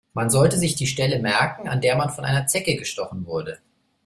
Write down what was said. Man sollte sich die Stelle merken, an der man von einer Zecke gestochen wurde.